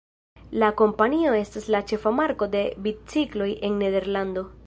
La kompanio estas la ĉefa marko de bicikloj en Nederlando.